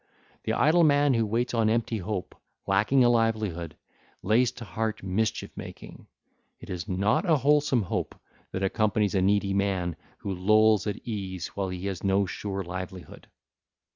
The idle man who waits on empty hope, lacking a livelihood, lays to heart mischief making; it is not an wholesome hope that accompanies a need man who lolls at ease while he has no sure livelihood.